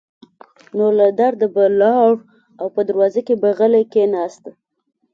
نو له درده به لاړ او په دروازه کې به غلی کېناست.